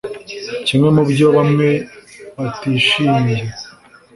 kimwe mu byo bamwe batishimiye